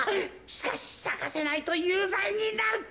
しかしさかせないとゆうざいになる。